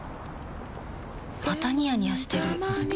またニヤニヤしてるふふ。